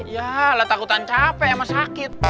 yalah takut tak capek emang sakit